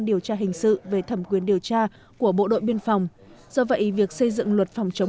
điều tra hình sự về thẩm quyền điều tra của bộ đội biên phòng do vậy việc xây dựng luật phòng chống